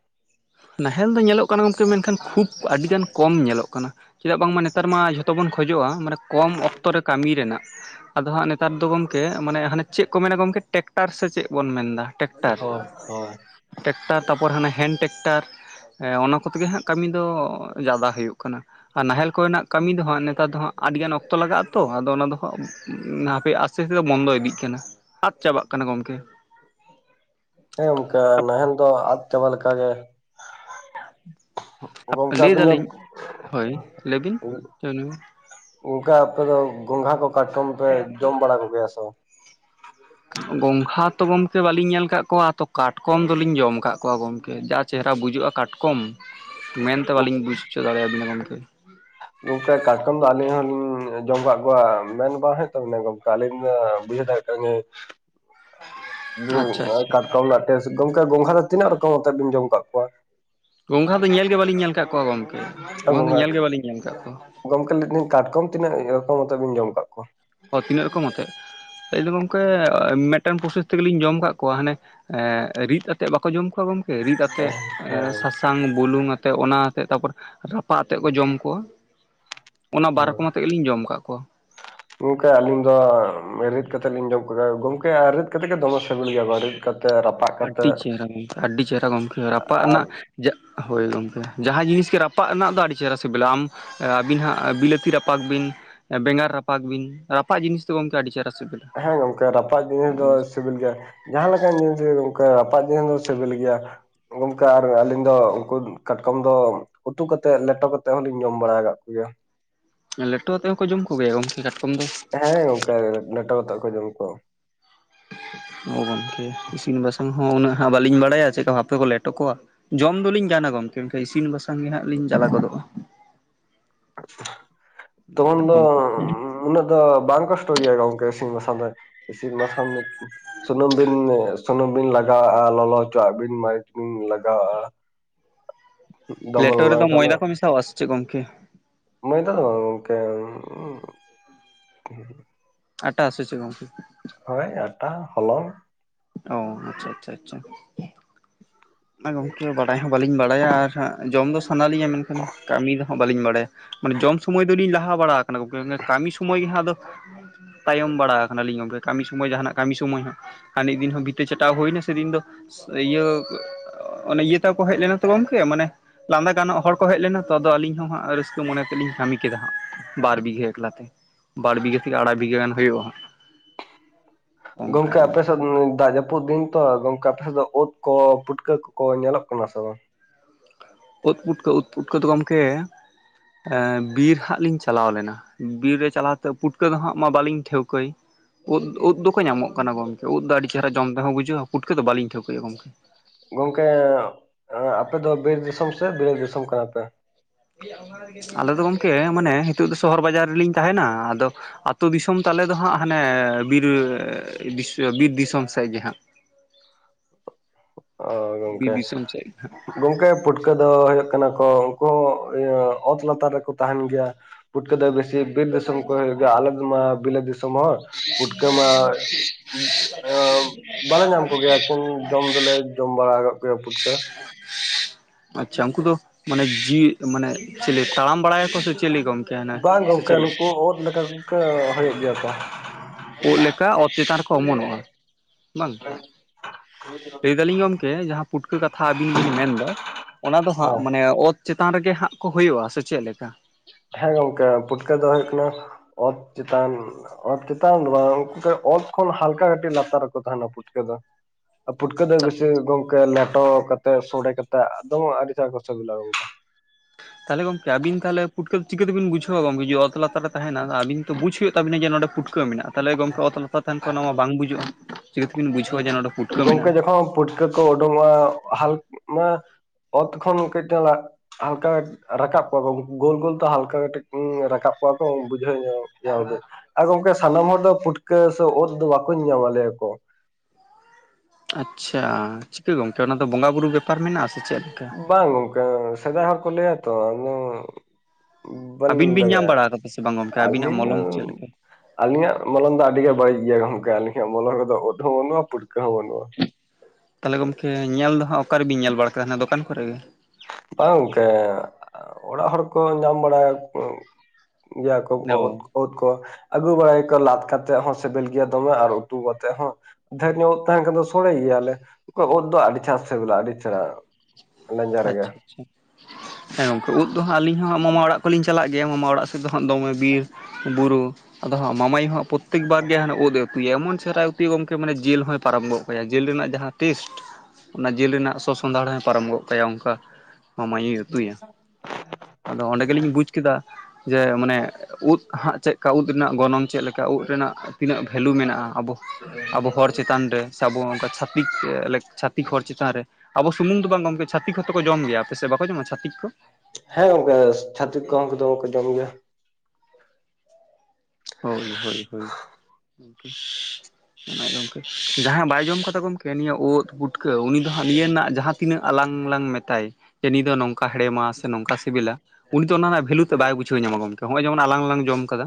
ᱱᱟᱦᱮᱞ ᱫᱚ ᱧᱮᱞᱚᱜ ᱠᱟᱱᱟ ᱜᱚᱢᱠᱮ ᱢᱮᱱᱠᱷᱟᱱ ᱠᱷᱩᱵ ᱟᱹᱰᱤ ᱜᱟᱱ ᱠᱚᱢ ᱧᱮᱞᱚᱜ ᱠᱟᱱᱟ ᱪᱮᱫᱟᱜ ᱵᱟᱝᱢᱟ ᱱᱮᱛᱟᱨ ᱢᱟ ᱡᱷᱚᱛᱚ ᱵᱚᱱ ᱠᱷᱚᱡᱚᱜᱼᱟ ᱢᱟᱱᱮ ᱠᱚᱢ ᱚᱠᱛᱚ ᱨᱮ ᱠᱟᱹᱢᱤ ᱨᱮᱱᱟᱜ ᱟᱫᱚ ᱦᱟᱸᱜ ᱱᱮᱛᱟᱨ ᱫᱚ ᱜᱚᱝᱠᱮ ᱢᱟᱱᱮ ᱦᱟᱱᱮ ᱪᱮᱫ ᱠᱚ ᱢᱮᱱᱟ ᱜᱚᱢᱠᱮ ᱴᱮᱠᱴᱟᱨ ᱥᱮ ᱪᱮᱫ ᱵᱚᱱ ᱢᱮᱱᱫᱟ ᱴᱮᱠᱴᱟᱨ ᱦᱳᱭ ᱦᱳᱭ ᱴᱮᱠᱴᱟᱨ ᱛᱟᱨᱯᱚᱨ ᱦᱟᱱᱮ ᱦᱮᱱ ᱴᱮᱠᱴᱟᱨ ᱚᱱᱟ ᱠᱚᱛᱮᱜᱮ ᱦᱟᱸᱜ ᱠᱟᱹᱢᱤ ᱫᱚ ᱡᱟᱫᱟ ᱦᱩᱭᱩᱜ ᱠᱟᱱᱟ ᱟᱨ ᱱᱟᱦᱮᱞ ᱠᱚᱨᱮᱱᱟᱜ ᱠᱟᱹᱢᱤ ᱫᱚ ᱦᱟᱸᱜ ᱱᱮᱛᱟᱨ ᱫᱚ ᱦᱟᱸᱜ ᱟᱹᱰᱤᱜᱟᱱ ᱚᱠᱛᱚ ᱞᱟᱜᱟᱼᱟᱛᱚ ᱟᱫᱚ ᱚᱱᱟ ᱫᱚ ᱦᱚᱸᱜ ᱦᱟᱯᱮ ᱟᱥ ᱟᱥᱛᱮ ᱛᱮᱫᱤᱚ ᱵᱚᱱᱫᱚ ᱤᱫᱤᱜ ᱠᱟᱱᱟ ᱟᱫ ᱪᱟᱵᱟᱜ ᱠᱟᱱᱟ ᱜᱚᱢᱠᱮ ᱦᱮᱸ ᱜᱚᱢᱠᱮ ᱱᱟᱦᱮᱞ ᱫᱚ ᱟᱫ ᱪᱟᱵᱟ ᱞᱮᱠᱟ ᱜᱮ ᱜᱚᱝᱠᱮ ᱟᱵᱤᱱ ᱫᱚ ᱞᱟᱹᱭᱫᱟᱞᱤᱧ ᱦᱳᱭ ᱞᱟᱹᱭ ᱵᱤᱱ ᱚᱱᱠᱟ ᱟᱯᱮ ᱫᱚ ᱜᱚᱝᱜᱷᱟ ᱠᱚ ᱠᱟᱴᱠᱚᱢ ᱠᱚ ᱯᱮ ᱡᱚᱢ ᱵᱟᱲᱟ ᱠᱚᱜᱮᱭᱟ ᱥᱮ ᱵᱟᱝ ᱜᱚᱝᱜᱷᱟ ᱛᱚ ᱜᱚᱝᱠᱮ ᱵᱟᱞᱤᱧ ᱧᱮᱞ ᱟᱠᱟᱫ ᱠᱚᱣᱟ ᱛᱚ ᱠᱟᱴᱠᱚᱢ ᱫᱚᱞᱤᱧ ᱡᱚᱢ ᱠᱟᱜ ᱠᱚᱣᱟ ᱜᱚᱢᱠᱮ ᱪᱮᱦᱨᱟ ᱵᱩᱡᱩᱜᱼᱟ ᱠᱟᱴᱠᱚᱢ ᱢᱮᱱᱛᱮ ᱵᱟᱞᱤᱧ ᱵᱩᱡᱽ ᱦᱚᱪᱚ ᱫᱟᱲᱮᱭᱟᱵᱤᱱᱟ ᱜᱚᱢᱠᱮ ᱜᱚᱢᱠᱮ ᱠᱟᱴᱠᱚᱢ ᱫᱚ ᱟᱹᱞᱤᱧ ᱦᱚᱸᱞᱤᱧ ᱡᱚᱢ ᱠᱟᱜ ᱠᱚᱣᱟ ᱢᱮᱱ ᱵᱟᱝ ᱦᱩᱭᱩᱜ ᱛᱟᱵᱤᱱᱟ ᱜᱚᱢᱠᱮ ᱟᱹᱞᱤᱧ ᱫᱚ ᱵᱩᱡᱷᱟᱹᱣ ᱫᱟᱲᱮᱜ ᱟᱪᱪᱷᱟ ᱟᱪᱪᱷᱟ <unintelligible> ᱠᱟᱴᱠᱟᱢ ᱨᱮᱱᱟᱜ <unintelligible> ᱜᱚᱢᱠᱮ ᱜᱚᱝᱜᱷᱟ ᱫᱚ ᱛᱤᱱᱟᱹᱜ ᱨᱚᱠᱚᱢ ᱟᱛᱮᱫ ᱵᱤᱱ ᱡᱚᱢ ᱠᱟᱜ ᱠᱚᱣᱟ ᱜᱚᱝᱜᱷᱟ ᱫᱚ ᱧᱮᱞ ᱜᱮ ᱵᱟᱹᱞᱤᱧ ᱧᱮᱞ ᱟᱠᱟᱫ ᱠᱚᱣᱟ ᱜᱚᱢᱠᱮ ᱠᱚᱱᱚ ᱫᱤᱱ ᱧᱮᱞ ᱜᱮ ᱵᱟᱹᱞᱤᱧ ᱧᱮᱞ ᱠᱟᱜ ᱠᱚᱣᱟ ᱜᱚᱢᱠᱮ ᱞᱟᱹᱭ ᱫᱟᱞᱤᱧ ᱠᱟᱴᱠᱚᱢ ᱛᱤᱱᱟᱹᱜ ᱨᱚᱠᱚᱢ ᱟᱛᱮ ᱵᱤᱱ ᱡᱚᱢ ᱟᱠᱟᱫ ᱠᱚᱣᱟ ᱚ ᱛᱤᱱᱟᱹᱜ ᱨᱚᱠᱚᱢᱟᱛᱮᱫ ᱟᱹᱞᱤᱧ ᱫᱚ ᱜᱚᱝᱠᱮ ᱢᱤᱫᱴᱮᱱ ᱯᱨᱚᱥᱮᱥ ᱛᱮᱜᱮᱞᱤᱧ ᱡᱚᱢ ᱟᱠᱟᱫ ᱠᱚᱣᱟ ᱦᱟᱱᱮ ᱨᱤᱫ ᱟᱛᱮᱜ ᱵᱟᱠᱚ ᱡᱚᱢ ᱠᱚᱣᱟ ᱜᱚᱢᱠᱮ ᱨᱤᱫ ᱟᱛᱮᱜ ᱦᱮᱸ ᱦᱮᱸ ᱥᱟᱥᱟᱝ ᱵᱩᱞᱩᱝ ᱟᱛᱮᱜ ᱚᱱᱟ ᱟᱛᱮᱫ ᱛᱟᱯᱚᱨ ᱨᱟᱯᱟᱜ ᱟᱛᱮᱫ ᱠᱚ ᱡᱚᱢ ᱠᱚᱣᱟ ᱚᱱᱟ ᱵᱟᱨ ᱨᱚᱠᱚᱢ ᱟᱛᱮᱫ ᱜᱮᱞᱤᱧ ᱡᱚᱢ ᱟᱠᱟᱫ ᱠᱚᱣᱟ <inaudible> ᱜᱚᱢᱠᱮ ᱟᱹᱞᱤᱧ ᱫᱚ ᱨᱤᱫ ᱠᱟᱛᱮᱫ ᱞᱤᱧ ᱡᱚᱢ ᱠᱟᱜ ᱜᱚᱢᱠᱮ ᱟᱨ ᱨᱤᱫ ᱠᱟᱛᱮ ᱜᱮ ᱫᱚᱢᱮ ᱥᱤᱵᱤᱞ ᱜᱮᱭᱟ ᱨᱤᱫ ᱠᱟᱛᱮ ᱨᱟᱯᱟᱜ ᱠᱟᱛᱮ ᱟᱹᱰᱤ ᱪᱮᱦᱨᱟ ᱜᱚᱝᱠᱮ ᱟᱹᱰᱤ ᱪᱮᱦᱨᱟ ᱜᱚᱢᱠᱮ ᱨᱟᱯᱟᱜ ᱟᱨ ᱨᱮᱱᱟᱜ ᱦᱳᱭ ᱜᱚᱝᱠᱮ ᱡᱟᱦᱟᱸ ᱡᱤᱱᱤᱥ ᱜᱮ ᱨᱟᱯᱟᱜ ᱨᱮᱱᱟᱜ ᱫᱚ ᱟᱹᱰᱤ ᱪᱮᱦᱨᱟ ᱥᱤᱵᱤᱞᱟ ᱟᱢ ᱟᱵᱤᱱ ᱦᱟᱸᱜ ᱵᱤᱞᱟᱹᱛᱤ ᱨᱟᱯᱟᱜᱽ ᱵᱤᱱ ᱵᱮᱸᱜᱟᱲ ᱨᱟᱯᱟᱜᱽ ᱵᱤᱱ ᱨᱟᱯᱟᱜ ᱡᱤᱱᱤᱥ ᱫᱚ ᱜᱚᱝᱠᱮ ᱟᱹᱰᱤ ᱪᱮᱦᱨᱟ ᱥᱮᱵᱮᱞ ᱦᱮᱸ ᱜᱚᱝᱠᱮ ᱨᱟᱯᱟᱜ ᱡᱤᱱᱤᱥ ᱫᱚ ᱥᱮᱵᱮᱞ ᱜᱮᱭᱟ ᱡᱟᱦᱟᱸ ᱞᱮᱠᱟᱱ ᱡᱤᱱᱤᱥ ᱜᱮ ᱜᱚᱢᱠᱮ ᱨᱟᱯᱟᱜ ᱡᱤᱱᱤᱥ ᱫᱚ ᱥᱮᱵᱮᱞ ᱜᱮᱭᱟ ᱜᱚᱝᱠᱮ ᱟᱨ ᱟᱹᱞᱤᱧ ᱫᱚ ᱩᱱᱠᱩ ᱠᱟᱴᱠᱚᱢ ᱫᱚ ᱩᱛᱩ ᱠᱟᱛᱮᱫ ᱞᱮᱴᱚ ᱠᱟᱛᱮᱫ ᱦᱚᱞᱤᱧ ᱡᱚᱢ ᱵᱟᱲᱟ ᱠᱟᱜ ᱠᱚᱜᱮᱭᱟ ᱞᱮᱴᱚ ᱟᱛᱮᱫ ᱦᱚᱸᱠᱚ ᱡᱚᱢ ᱠᱚᱜᱮᱭᱟ ᱜᱚᱢᱠᱮ ᱠᱟᱴᱠᱚᱡ ᱦᱮᱸ ᱜᱚᱢᱠᱮ ᱞᱮᱴᱚ ᱟᱛᱮᱜ ᱠᱚ ᱡᱚᱢ ᱠᱚᱣᱟ ᱚ ᱜᱚᱝᱠᱮ ᱤᱥᱤᱱ ᱵᱟᱥᱟᱝ ᱦᱚᱸ ᱩᱱᱟᱹᱜ ᱵᱟᱹᱞᱤᱧ ᱵᱟᱲᱟᱭᱟ ᱪᱮᱜᱠᱟ ᱵᱷᱟᱵ ᱛᱮ ᱠᱚ ᱞᱮᱴᱚ ᱠᱚᱣᱟ ᱡᱚᱢ ᱫᱚᱞᱤᱧ ᱜᱟᱱᱼᱟ ᱜᱚᱢᱠᱮ ᱢᱮᱱᱠᱷᱟᱱ ᱤᱥᱤᱱ ᱵᱟᱥᱟᱝ ᱜᱮ ᱦᱟᱸᱜ ᱞᱤᱧ ᱡᱟᱞᱟ ᱜᱚᱫᱚᱜᱼᱟ ᱚᱱᱟᱜᱮ ᱛᱚᱠᱷᱚᱱ ᱦᱟᱸᱜ ᱫᱚ ᱜᱚᱢᱠᱮ ᱩᱱᱟᱹᱜ ᱫᱚ ᱵᱟᱝ ᱠᱳᱥᱴᱚ ᱜᱮᱭᱟ ᱜᱚᱝᱠᱮ ᱤᱥᱤᱱ ᱵᱟᱥᱟᱝ ᱫᱚ ᱤᱥᱤᱱ ᱵᱟᱥᱟᱝ ᱥᱩᱱᱩᱢ ᱵᱤᱱ ᱥᱩᱱᱩᱢ ᱵᱤᱱ ᱞᱟᱜᱟᱣᱟᱜᱼᱟ ᱞᱚᱞᱚ ᱦᱚᱪᱚᱣᱟᱜ ᱵᱤᱱ ᱢᱟᱨᱤᱪ ᱵᱤᱱ ᱞᱟᱜᱟᱣ ᱟᱜᱼᱟ ᱞᱮᱴᱚ ᱨᱮᱫᱚ ᱢᱚᱭᱫᱟ ᱠᱚ ᱢᱮᱥᱟᱣᱟᱜ ᱟ ᱥᱮ ᱪᱮᱫ ᱜᱚᱝᱠᱮ ᱢᱚᱭᱫᱟ ᱫᱚ ᱵᱟᱝ ᱜᱚᱢᱠᱮ ᱟᱴᱟ ᱥᱮ ᱪᱮᱫ ᱜᱚᱢᱠᱮ ᱦᱳᱭ ᱟᱴᱟ ᱦᱚᱞᱚᱝ ᱚ ᱟᱪᱪᱷᱟ ᱟᱪᱪᱷᱟ ᱟᱪᱪᱷᱟ ᱦᱮᱸ ᱜᱚᱝᱠᱮ ᱵᱟᱰᱟᱭ ᱦᱚᱸ ᱵᱟᱹᱞᱤᱧ ᱵᱟᱲᱟᱭᱟ ᱟᱨ ᱦᱟᱸᱜ ᱡᱚᱢ ᱫᱚ ᱥᱟᱱᱟ ᱞᱤᱧᱟ ᱢᱮᱱᱠᱷᱟᱱ ᱠᱟᱹᱢᱤ ᱫᱚ ᱦᱟᱸᱜ ᱵᱟᱹᱞᱤᱧ ᱵᱟᱲᱟᱭᱟ ᱢᱟᱱᱮ ᱡᱚᱢ ᱥᱚᱢᱚᱭ ᱫᱚᱞᱤᱧ ᱞᱟᱦᱟ ᱵᱟᱲᱟ ᱠᱟᱱᱟ ᱜᱚᱢᱠᱮ ᱠᱟᱹᱢᱤ ᱥᱚᱢᱚᱭ ᱜᱮ ᱦᱟᱸᱜ ᱟᱫᱚ ᱛᱟᱭᱚᱢ ᱵᱟᱲᱟ ᱠᱟᱱᱟᱞᱤᱧ ᱜᱚᱢᱠᱮ ᱠᱟᱢᱤ ᱥᱚᱢᱚᱭ ᱡᱟᱦᱟᱱᱟᱜ ᱠᱟᱢᱤ ᱥᱚᱢᱚᱭ ᱦᱚᱸ ᱦᱟᱹᱱᱮᱜ ᱫᱤᱱ ᱦᱚᱸ ᱵᱷᱤᱛᱟᱹ ᱪᱟᱴᱟᱣ ᱦᱩᱭᱱᱟ ᱥᱮᱫᱤᱱ ᱫᱚ ᱤᱭᱟᱹ ᱚᱱᱮ ᱤᱭᱟᱹ ᱛᱟᱠᱚ ᱦᱮᱡ ᱞᱮᱱᱟ ᱛᱚ ᱜᱚᱝᱠᱮ ᱢᱟᱱᱮ ᱞᱟᱸᱫᱟ ᱜᱟᱱᱚᱜ ᱦᱚᱲ ᱠᱚ ᱦᱮᱡ ᱞᱮᱱᱟᱛᱚ ᱟᱫᱚ ᱟᱹᱞᱤᱧ ᱦᱚᱸ ᱦᱟᱸᱜ ᱨᱟᱹᱥᱠᱟᱹ ᱢᱚᱱᱮ ᱛᱮᱞᱤᱧ ᱠᱟᱹᱢᱤ ᱠᱮᱫᱟ ᱦᱟᱸᱜ ᱵᱟᱨ ᱵᱤᱜᱷᱟᱹ ᱮᱠᱞᱟᱛᱮ ᱵᱟᱨ ᱵᱤᱜᱷᱟᱹ ᱛᱷᱮᱠᱮ ᱟᱲᱟᱭ ᱵᱤᱜᱷᱟᱹ ᱜᱟᱱ ᱦᱳᱭᱳᱜᱼᱟ ᱦᱟᱸᱜ ᱜᱚᱝᱠᱮ ᱟᱯᱮ ᱥᱮᱫ ᱫᱟᱜ ᱡᱟᱹᱯᱩᱫ ᱫᱤᱱ ᱛᱚ ᱜᱚᱝᱠᱮ ᱟᱯᱮ ᱥᱮᱫ ᱫᱚ ᱳᱫ ᱠᱚ ᱯᱩᱴᱠᱟᱹ ᱠᱚᱠᱚ ᱧᱮᱞᱚᱜ ᱠᱟᱱᱟ ᱥᱮ ᱵᱟᱝ ᱩᱫ ᱯᱩᱴᱠᱟᱹ ᱩᱫ ᱯᱩᱴᱠᱟᱹ ᱫᱚ ᱜᱚᱢᱠᱮ ᱮᱸ ᱵᱤᱨ ᱦᱟᱸᱜ ᱞᱤᱧ ᱪᱟᱞᱟᱣ ᱞᱮᱱᱟ ᱵᱤᱨ ᱨᱮ ᱪᱟᱞᱟᱣᱛᱮᱜ ᱯᱩᱴᱠᱟᱹ ᱫᱚ ᱦᱟᱸᱜ ᱢᱟ ᱵᱟᱹᱞᱤᱧ ᱴᱷᱟᱹᱣᱠᱟᱹᱭ ᱩᱫ ᱩᱫ ᱫᱚᱠᱚ ᱧᱟᱢᱚᱜ ᱠᱟᱱᱟ ᱜᱚᱢᱠᱮ ᱩᱫ ᱫᱚ ᱟᱹᱰᱤ ᱪᱮᱦᱨᱟ ᱡᱚᱢ ᱛᱮᱦᱚᱸ ᱵᱩᱡᱷᱟᱹᱜᱼᱟ ᱯᱩᱴᱠᱟᱹ ᱫᱚ ᱵᱟᱹᱞᱤᱧ ᱴᱷᱟᱹᱣᱠᱟᱹᱭᱟ ᱜᱚᱢᱠᱮ ᱜᱚᱝᱠᱮ ᱟᱯᱮ ᱫᱚ ᱵᱤᱨ ᱫᱤᱥᱚᱢ ᱥᱮ ᱵᱤᱞᱟᱹᱛ ᱫᱤᱥᱚᱢ ᱠᱟᱱᱟ ᱯᱮ ᱟᱞᱮ ᱫᱚ ᱜᱚᱢᱠᱮ ᱢᱟᱱᱮ ᱦᱤᱸᱛᱳᱜ ᱫᱚ ᱥᱚᱦᱚᱨ ᱵᱟᱡᱟᱨ ᱨᱤᱞᱤᱧ ᱛᱟᱦᱮᱱᱟ ᱟᱫᱚ ᱟᱹᱛᱳ ᱫᱤᱥᱚᱢ ᱛᱟᱞᱮ ᱫᱚ ᱦᱟᱸᱜ ᱦᱟᱱᱮ ᱵᱤᱨ ᱫᱤᱥ ᱵᱤᱨ ᱫᱤᱥᱚᱢ ᱥᱮᱜ ᱜᱮ ᱦᱟᱸᱜ <inaudible> ᱚᱸ ᱵᱤᱨ ᱜᱚᱢᱠᱮ ᱫᱤᱥᱚᱢ ᱥᱮᱫ ᱜᱮ ᱦᱟᱸᱜ ᱜᱚᱢᱠᱮ ᱯᱩᱴᱠᱟᱹ ᱫᱚ ᱦᱩᱭᱩᱜ ᱠᱟᱱᱟ ᱠᱚ ᱩᱝᱠᱩ ᱦᱚᱸ ᱤᱭᱟᱹ ᱚᱛ ᱞᱟᱛᱟᱨ ᱨᱮᱠᱚ ᱛᱟᱦᱮᱱ ᱜᱮᱭᱟ ᱯᱩᱴᱠᱟᱹ ᱫᱚ ᱵᱮᱥᱤ ᱵᱤᱨ ᱫᱤᱥᱚᱢ ᱠᱚ ᱦᱳᱭᱳᱜ ᱜᱮᱭᱟ ᱟᱞᱮᱫᱚ ᱢᱟ ᱵᱤᱞᱟᱹᱛ ᱫᱤᱥᱚᱢ ᱦᱚᱲ ᱯᱩᱴᱠᱟᱹ ᱢᱟ ᱮᱸ ᱵᱟᱞᱮ ᱧᱟᱢ ᱠᱚᱜᱮᱭᱟ ᱠᱤᱱ ᱡᱚᱢ ᱫᱚᱞᱮ ᱡᱚᱢ ᱵᱟᱲᱟ ᱠᱟᱜ ᱠᱚᱜᱮᱭᱟ ᱯᱩᱴᱠᱟᱹ <inaudible> ᱟᱪᱪᱷᱟ ᱩᱝᱠᱩ ᱫᱚ ᱢᱟᱱᱮ ᱡᱤᱣᱤ ᱢᱟᱱᱮ ᱪᱮᱞᱮ ᱛᱟᱲᱟᱢ ᱵᱟᱲᱟᱭᱟᱠᱚ ᱥᱮ ᱪᱮᱞᱮ ᱜᱚᱢᱠᱮ ᱦᱟᱱᱟ ᱠᱟ ᱱᱩᱠᱩ ᱩᱫ ᱞᱮᱠᱟ ᱜᱮᱠᱚ ᱠᱚ ᱦᱳᱭᱳᱜ ᱜᱮᱭᱟ ᱠᱚ ᱳᱜ ᱞᱮᱠᱟ ᱚᱛ ᱪᱮᱛᱟᱱ ᱨᱮᱠᱚ ᱚᱢᱚᱱᱚᱜᱼᱟ ᱵᱟᱝ ᱞᱟᱹᱭᱫᱟᱞᱤᱧ ᱜᱚᱢᱠᱮ ᱡᱟᱦᱟᱸ ᱯᱩᱴᱠᱟᱹ ᱠᱟᱛᱷᱟ ᱟᱵᱤᱱ ᱵᱤᱱ ᱢᱮᱱᱫᱟ ᱚᱱᱟ ᱫᱚ ᱦᱟᱸᱜ ᱦᱮᱸ᱾ ᱢᱟᱱᱮ ᱚᱛ ᱪᱮᱛᱟᱱ ᱨᱮᱜᱮ ᱦᱟᱸᱜ ᱠᱚ ᱦᱳᱭᱳᱜᱼᱟ ᱥᱮ ᱪᱮᱫ ᱞᱮᱠᱟ ᱦᱮᱸ ᱜᱚᱝᱠᱮ ᱯᱩᱴᱠᱟᱹ ᱫᱚ ᱦᱳᱭᱳᱜ ᱠᱟᱱᱟ ᱚᱛ ᱪᱮᱛᱟᱱ ᱚᱛ ᱪᱮᱛᱟᱱ ᱫᱚ ᱵᱟᱝ ᱩᱱᱠᱩ ᱫᱚ ᱚᱛ ᱠᱷᱚᱱ ᱦᱟᱞᱠᱟ ᱠᱟᱹᱴᱤᱡ ᱞᱟᱛᱟᱨ ᱨᱮᱠᱚ ᱛᱟᱦᱮᱱᱟ ᱯᱩᱴᱠᱟᱹ ᱫᱚ ᱯᱩᱴᱠᱟᱹ ᱫᱚ ᱵᱮᱥᱤ ᱜᱚᱝᱠᱮ ᱞᱮᱴᱚ ᱠᱟᱛᱮᱜ ᱥᱚᱲᱮ ᱠᱟᱛᱮᱚᱜ ᱥᱟᱫᱚᱢ ᱟᱹᱰᱤᱴᱟᱹᱜ ᱠᱚ ᱥᱮᱵᱮᱞᱟ ᱜᱚᱝᱠᱮ ᱛᱟᱦᱚᱞᱮ ᱜᱚᱝᱠᱮ ᱟᱵᱤᱱ ᱛᱟᱦᱚᱞᱮ ᱯᱩᱴᱟᱹ ᱫᱚ ᱪᱤᱠᱟᱹᱛᱮᱵᱤᱱ ᱵᱩᱡᱷᱟᱹᱣᱟ ᱜᱚᱝᱠᱮ ᱡᱮ ᱚᱛ ᱞᱟᱛᱟᱨ ᱨᱮ ᱛᱟᱦᱮᱱᱟ ᱟᱵᱤᱱ ᱛᱚ ᱵᱩᱡ ᱦᱩᱭᱩᱜ ᱛᱟᱵᱤᱱᱟ ᱡᱮ ᱱᱚᱸᱰᱮ ᱯᱩᱴᱠᱟᱹ ᱢᱮᱱᱟᱜᱼᱟ ᱛᱟᱦᱚᱞᱮ ᱜᱚᱢᱠᱮ ᱚᱛ ᱞᱟᱛᱟᱨ ᱨᱮ ᱛᱟᱦᱮᱱ ᱠᱷᱟᱱ ᱢᱟ ᱵᱟᱝ ᱵᱩᱡᱩᱜᱼᱟ ᱪᱤᱠᱟᱹᱛᱤᱵᱤᱱ ᱵᱩᱡᱷᱟᱹᱣᱟ ᱡᱮ ᱱᱚᱸᱰᱮ ᱯᱩᱴᱟᱹ ᱢᱮᱱᱟᱜᱼᱟ ᱦᱸ ᱯᱩᱴ ᱠᱟᱹ ᱠᱚ ᱚᱰᱳᱝ ᱚᱜ-ᱟ ᱦᱟᱞ ᱢᱟ ᱚᱛ ᱠᱷᱚᱱ ᱠᱟᱹᱡ ᱪᱟᱞᱟᱜ ᱦᱟᱞᱠᱟ ᱨᱟᱠᱟᱵ ᱠᱚᱣᱟ ᱠᱚ ᱜᱳᱞ ᱜᱳᱞ ᱛᱚ ᱦᱟᱞᱠᱟ ᱠᱟᱹᱴᱤᱡ ᱨᱟᱠᱟᱵ ᱠᱚᱣᱟ ᱠᱚ ᱵᱩᱡᱷᱟᱹᱣ ᱧᱚᱜ ᱡᱟᱦᱟ ᱩᱰᱩᱡ ᱟᱨ ᱜᱚᱝᱠᱮ ᱥᱟᱱᱟᱢ ᱦᱚᱲ ᱫᱚ ᱯᱷᱩᱴᱠᱟᱹ ᱥᱮ ᱚᱛ ᱫᱚ ᱵᱟᱠᱚ ᱧᱤᱧᱟᱢᱟ ᱞᱮᱭᱟ ᱠᱚ ᱟᱪᱪᱷᱟ ᱪᱤᱠᱟᱹ ᱜᱚᱝᱠᱮ ᱚᱱᱟᱫᱚ ᱵᱚᱸᱜᱟ ᱵᱩᱨᱩ ᱵᱮᱯᱟᱨ ᱢᱮᱱᱟᱜᱼᱟ ᱥᱮ ᱪᱮᱫ ᱠᱟ ᱵᱟᱝ ᱜᱚᱝᱠᱮ ᱥᱮᱫᱟᱭ ᱦᱚᱲ ᱠᱚ ᱞᱮᱭᱟ ᱛᱚ ᱵᱟᱹᱱ ᱟᱹᱵᱤᱱ ᱵᱤᱱ ᱧᱟᱢ ᱫᱟᱲᱮᱭᱟᱜ, ᱵᱟᱲᱟ ᱠᱟᱫᱟ ᱥᱮ ᱵᱟᱝ ᱜᱚᱝᱠᱮ ᱟᱹᱵᱤᱱᱟᱜ ᱟᱞᱤᱧ ᱫᱚ ᱢᱚᱞᱚᱝ ᱪᱮᱫ ᱞᱮᱠᱟ? ᱟᱹᱞᱤᱧᱟᱜ ᱢᱚᱞᱚᱱ ᱫᱚ ᱟᱹᱰᱤᱜ ᱜᱮ ᱵᱟᱹᱲᱤᱡ ᱜᱤᱭᱟᱹ ᱜᱚᱢᱠᱮ ᱟᱹᱞᱤᱧᱟᱜ ᱢᱚᱞᱚᱝ ᱨᱮᱫᱚ ᱩᱫ ᱦᱚᱸ ᱵᱟᱹᱱᱩᱜᱼᱟ ᱯᱩᱴᱠᱟᱹ ᱦᱚᱸ ᱵᱟᱹᱱᱩᱜᱼᱟ, ᱛᱟᱦᱚᱞᱮ ᱜᱚᱢᱠᱮ ᱧᱮᱞ ᱫᱚ ᱦᱟᱸᱜ ᱚᱠᱟᱨᱮᱵᱤᱱ ᱧᱮᱞ ᱵᱟᱲᱟ ᱠᱮᱫᱟ ᱦᱟᱱᱟ ᱫᱚᱠᱟᱱ ᱠᱚᱨᱮᱜ ᱜᱮ? ᱵᱟᱝ ᱜᱚᱝᱠᱮ ᱚᱲᱟᱜ ᱦᱚᱲ ᱠᱚ ᱧᱟᱢ ᱵᱟᱲᱟᱭᱟ, ᱡᱟ ᱠᱚ ᱚ ᱳᱫᱽ ᱠᱚ ᱟᱹᱜᱩ ᱵᱟᱲᱟᱭᱠᱚ ᱞᱟᱫ ᱠᱟᱛᱮᱜ ᱦᱚᱸ ᱥᱤᱵᱤᱞ ᱜᱮᱭᱟ ᱫᱚᱢᱮ ᱟᱨ ᱩᱛᱩ ᱠᱟᱛᱮᱜ ᱦᱚᱸ, ᱫᱷᱮᱨ ᱧᱚᱜ ᱩᱫ ᱛᱟᱦᱮᱱ ᱠᱷᱟᱱ ᱫᱚ ᱥᱳᱲᱮ ᱜᱮᱭᱟᱞᱮ, ᱜᱚᱝᱠᱮ ᱩᱫ ᱫᱚ ᱟᱹᱰᱤ ᱪᱮᱦᱨᱟ ᱥᱮᱵᱮᱞᱚᱜᱼᱟ ᱟᱹᱰᱤ ᱪᱮᱦᱨᱟ᱾ ᱞᱮᱸᱡᱮᱨ ᱜᱮ ᱟᱪᱪᱷᱟ ᱟᱪᱪᱷᱟ ᱦᱮᱸ ᱱᱚᱢᱠᱮ ᱩᱫ ᱫᱚ ᱦᱟᱸᱜ ᱟᱹᱞᱤᱧ ᱦᱚᱸᱜ ᱢᱟᱢᱟ ᱚᱲᱟᱜ ᱠᱚᱞᱤᱧ ᱪᱟᱞᱟᱜ ᱜᱮᱭᱟ ᱢᱟᱢᱟ ᱚᱲᱟᱜ ᱥᱮᱫ ᱫᱚ ᱦᱟᱸᱜ ᱫᱚᱢᱮ ᱵᱤᱨ, ᱵᱩᱨᱩ ᱟᱫᱚ ᱦᱟᱸᱜ ᱢᱟᱢᱟᱭᱩ ᱦᱟᱸᱜ ᱯᱛᱛᱮᱠ ᱵᱟᱨ ᱜᱮ ᱦᱟᱱᱮ ᱳᱫᱽ ᱮ ᱩᱛᱩᱭᱟ ᱮᱢᱚᱱ ᱪᱮᱨᱦᱟᱭ ᱩᱛᱩᱭᱟ ᱜᱚᱢᱠᱮ ᱢᱟᱱᱮ ᱡᱮᱞ ᱦᱚᱸᱭ ᱯᱟᱨᱚᱢ ᱜᱚᱜ ᱠᱟᱭᱟ ᱡᱮᱞ ᱨᱮᱱᱟᱜ ᱡᱟᱦᱟᱸ ᱴᱮᱥᱴ ᱚᱱᱟ ᱡᱮᱞ ᱨᱮᱱᱟᱜ ᱥᱚ ᱥᱚᱱᱫᱷᱟᱲ ᱦᱚᱸᱭ ᱯᱟᱨᱚᱢ ᱜᱚᱜ ᱠᱟᱭᱟ ᱚᱝᱠᱟ ᱢᱟᱢᱟᱭᱩᱭ ᱩᱛᱩᱭᱟ᱾ ᱟᱫᱚ ᱚᱸᱰᱮ ᱜᱮᱞᱤᱧ ᱵᱩᱡᱽ ᱠᱤᱫᱟ ᱡᱮ ᱢᱟᱱᱮ ᱩᱫ ᱦᱟᱸᱜ ᱪᱮᱫ ᱠᱟ ᱩᱫ ᱨᱮᱱᱟᱜ ᱜᱚᱱᱚᱝ ᱪᱮᱫ ᱞᱮᱠᱟ ᱩᱫ ᱨᱮᱱᱟᱜ ᱛᱤᱱᱟᱹᱜ ᱵᱷᱮᱞᱩ ᱢᱮᱱᱟᱜᱼᱟ ᱟᱵᱚ ᱟᱵᱚ ᱦᱚᱲ ᱪᱮᱛᱟᱱ ᱨᱮ ᱥᱮ ᱟᱵᱚ ᱚᱱᱠᱟ ᱪᱷᱟᱛᱤᱠ ᱞᱮᱠ ᱪᱷᱟᱛᱤᱠ ᱦᱚᱲ ᱪᱮᱛᱟᱱ ᱨᱮ ᱟᱵᱚ ᱥᱩᱢᱩᱝ ᱫᱚ ᱵᱟᱝ ᱜᱚᱢᱠᱮ ᱪᱷᱟᱹᱛᱤᱠ ᱠᱚᱛᱚ ᱠᱚ ᱡᱚᱢ ᱜᱮᱭᱟ ᱟᱯᱮᱥᱮᱜ ᱵᱟᱠᱚ ᱡᱚᱢᱟ ᱪᱷᱟᱹᱛᱤᱠ ᱠᱚ? ᱦᱮᱸ ᱜᱚᱢᱠᱮ ᱪᱷᱟᱹᱛᱤᱠ ᱠᱚᱫᱚ ᱠᱚ ᱡᱚᱢ ᱜᱮᱭᱟ᱾ ᱦᱳᱭ ᱦᱳᱭ ᱦᱳᱭ ᱜᱚᱢᱠᱮ ᱡᱟᱦᱟᱸᱭ ᱵᱟᱭ ᱡᱚᱢ ᱠᱟᱫᱟ ᱜᱚᱢᱠᱮ ᱱᱤᱭᱟᱹ ᱳᱫ ᱯᱩᱴᱠᱟᱹ ᱩᱱᱤ ᱫᱚ ᱱᱤᱭᱟᱹ ᱨᱮᱱᱟᱜ ᱡᱟᱦᱟᱸ ᱛᱤᱱᱟᱹᱜ ᱟᱞᱟᱝᱞᱟᱝ ᱢᱮᱛᱟᱭ ᱡᱮ ᱱᱤᱭᱟ ᱫᱚ ᱱᱚᱝᱠᱟ ᱦᱮᱲᱮᱢᱢᱟ ᱥᱮ ᱱᱚᱝᱠᱟ ᱥᱤᱵᱤᱞᱟ, ᱩᱱᱤ ᱫᱚ ᱚᱱᱟ ᱨᱮᱱᱟᱜ ᱵᱷᱮᱞᱩ ᱫᱚ ᱵᱟᱭ ᱵᱩᱡᱷᱟᱹᱣ ᱧᱟᱢᱟ ᱜᱚᱢᱠᱮᱱᱚᱭᱚᱭ ᱡᱮᱢᱚᱱ ᱟᱞᱟᱝᱞᱟᱝ ᱡᱚᱢ ᱟᱠᱟᱫᱟ,